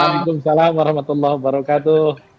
waalaikumsalam warahmatullahi wabarakatuh